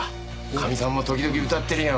かみさんも時々歌ってるよ。